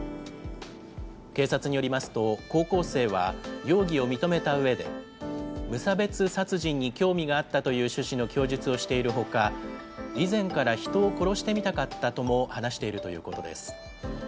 警察によりますと、高校生は容疑を認めたうえで、無差別殺人に興味があったという趣旨の供述をしているほか、以前から人を殺してみたかったとも話しているということです。